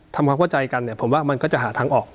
ทำความเข้าใจกันเนี่ยผมว่ามันก็จะหาทางออก